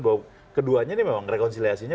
bahwa keduanya ini memang rekonsiliasinya